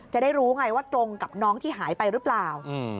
จะได้รู้ไงว่าตรงกับน้องที่หายไปหรือเปล่า